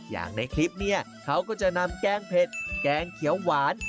อย่างในคลิปเนี่ยเขาก็จะนำแกงเผ็ดแกงเขียวหวาน